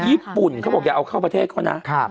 ญี่ปุ่นเขาบอกอย่าเอาเข้าประเทศเขานะ